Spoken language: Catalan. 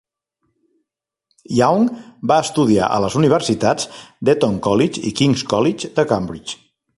Young va estudiar a les universitats d'Eton College i King's College, de Cambridge.